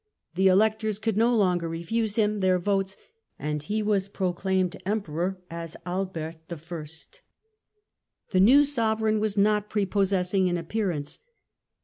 The Electors could no longer refuse him their votes and he was proclaimed Emperor as Albert I. The new Sovereign was not prepossessing in appear ance.